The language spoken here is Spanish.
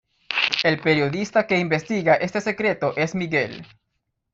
El periodista que investiga este secreto es Miguel.